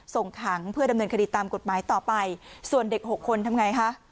ส่งขังเพื่อดำเนินคดีตามกฎหมายต่อไปส่วนเด็กหกคนทำไงคะ